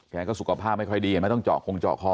แกก็สุขภาพไม่ค่อยดีเห็นไหมต้องเจาะคงเจาะคอ